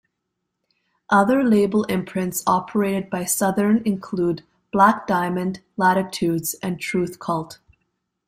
Other label imprints operated by Southern include Black Diamond, Latitudes and Truth Cult.